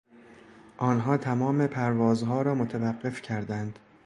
آنها تمام پروازها را متوقف کردند.